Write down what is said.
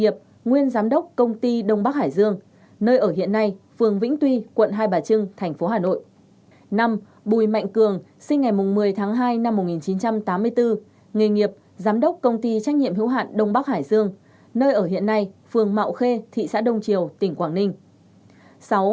năm bùi mạnh cường sinh ngày một mươi tháng hai năm một nghìn chín trăm tám mươi bốn nghề nghiệp lao động tự do nơi ở hiện nay phường mạo khê thị xã đông triều tỉnh quảng ninh